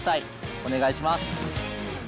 お願いします。